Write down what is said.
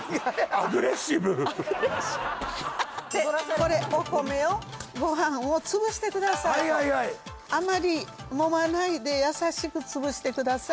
これお米をご飯をつぶしてくださいあまりもまないで優しくつぶしてください